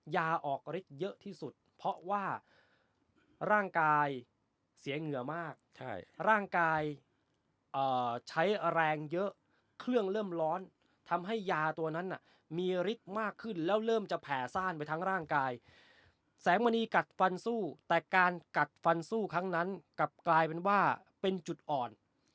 ยาออกฤทธิ์เยอะที่สุดเพราะว่าร่างกายเสียเหงื่อมากร่างกายใช้แรงเยอะเครื่องเริ่มร้อนทำให้ยาตัวนั้นมีฤทธิ์มากขึ้นแล้วเริ่มจะแผ่ซ่านไปทั้งร่างกายแสงมณีกัดฟันสู้แต่การกัดฟันสู้ครั้งนั้นกลับกลายเป็นว่าเป็นจุดอ่อน